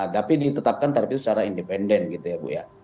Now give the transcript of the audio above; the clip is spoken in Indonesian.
tapi ditetapkan tarif itu secara independen gitu ya bu ya